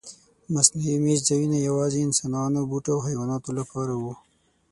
مصنوعي میشت ځایونه یواځې انسانانو، بوټو او حیواناتو لپاره و.